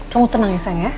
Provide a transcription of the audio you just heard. kamu tenang ya sayang ya